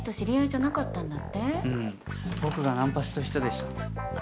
僕がナンパした人でした。